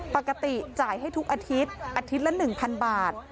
ปกติจ่ายให้ทุกอาทิตย์อาทิตย์ละ๑๐๐บาท